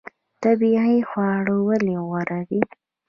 طبیعي خواړه ولې غوره دي؟